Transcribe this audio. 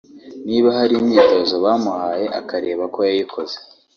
niba hari imyitozo bamuhaye akareba ko yayikoze